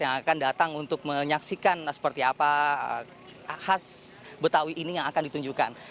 yang akan datang untuk menyaksikan seperti apa khas betawi ini yang akan ditunjukkan